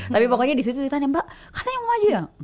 tapi pokoknya disitu ditanya mba katanya mau maju ya